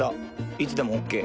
いつでもオッケー。